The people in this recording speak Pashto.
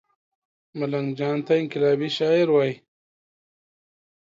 ملنګ جان ته انقلابي شاعر وايي